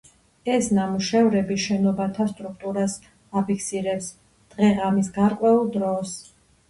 ეს ნამუშევრები შენობათა სტრუქტურას აფიქსირებს დღე-ღამის გარკვეულ დროს.